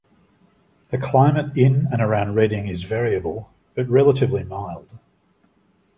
The climate in and around Reading is variable, but relatively mild.